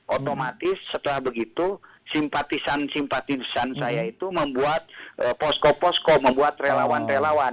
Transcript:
otomatis setelah begitu simpatisan simpatisan saya itu membuat posko posko membuat relawan relawan